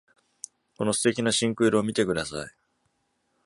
この素敵な深紅色を見てください！